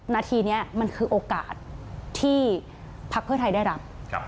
นาทีนี้มันคือโอกาสที่พักเพื่อไทยได้รับ